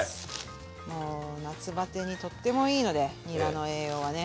もう夏バテにとってもいいのでにらの栄養はね。